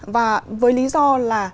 và với lý do là